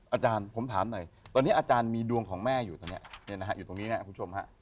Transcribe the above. อาจารย์ผมถามหน่อยตอนนี้อาจารย์มีดวงของแม่อยู่ตอนนี้อยู่ตรงนี้นะคุณผู้ชมฮะ